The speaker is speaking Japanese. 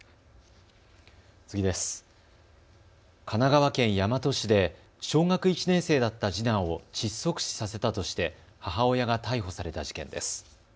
神奈川県大和市で小学１年生だった次男を窒息死させたとして母親が逮捕された事件です。